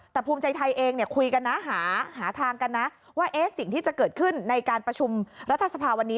แต่ภูมิใจไทยเองคุยกันนะหาทางกันนะว่าสิ่งที่จะเกิดขึ้นในการประชุมรัฐสภาวันนี้